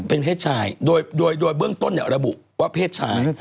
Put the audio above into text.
เป็นเพศชายโดยเบื้องต้นระบุว่าเพศชาย